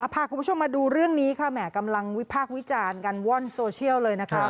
พาคุณผู้ชมมาดูเรื่องนี้ค่ะแหม่กำลังวิพากษ์วิจารณ์กันว่อนโซเชียลเลยนะคะ